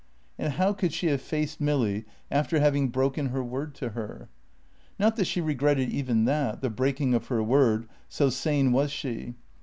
And how could she have faced Milly after having broken her word to her? Not that she regretted even that, the breaking of her word, so sane was she.